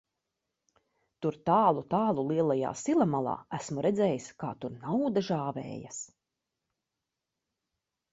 Tur tālu, tālu lielajā sila malā, esmu redzējis, kā tur nauda žāvējas.